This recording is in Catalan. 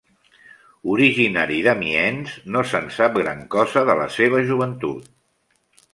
Originari d'Amiens, no se'n sap gran cosa de la seva joventut.